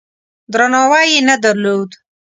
درناوی یې نه درلود.